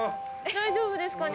大丈夫ですかね？